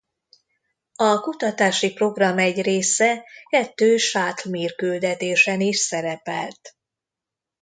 A kutatási program egy része kettő Shuttle–Mir küldetésen is szerepelt.